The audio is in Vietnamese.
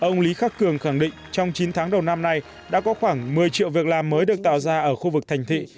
ông lý khắc cường khẳng định trong chín tháng đầu năm nay đã có khoảng một mươi triệu việc làm mới được tạo ra ở khu vực thành thị